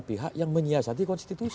pihak yang menyiasati konstitusi